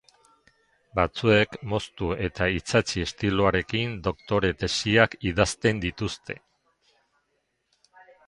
Batzuek moztu eta itsatsi estiloarekin doktore tesiak idazten dituzte.